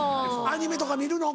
アニメとか見るの？